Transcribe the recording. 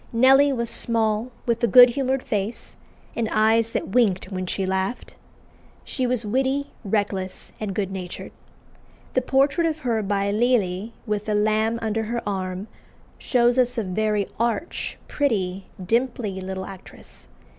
Nelly was small, with a good humoured face, and "eyes that winked when she laughed." She was witty, reckless, and good natured. The portrait of her by Lely, with the lamb under her arm, shows us a very arch, pretty, dimply little actress.